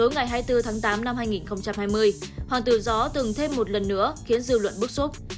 ngày hai mươi bốn tháng tám năm hai nghìn hai mươi hoàng tử gió từng thêm một lần nữa khiến dư luận bức xúc